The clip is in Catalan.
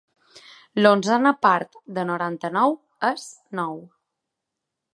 L'onzena part de noranta-nou és nou.